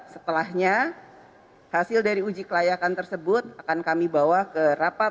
setelahnya hasil dari uji kelayakan tersebut akan kami bawa ke rapat